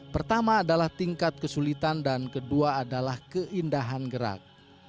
pertama adalah tingkat kesulitan dan kedua adalah keindahan gerak